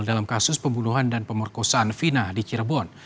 dalam kasus pembunuhan dan pemerkosaan fina di cirebon